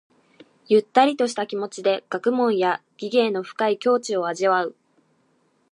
ゆったりとした気持ちで学問や技芸の深い境地を味わう。